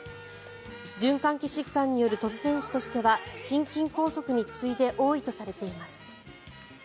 循環器疾患による突然死としては心筋梗塞に次いで多いとされています。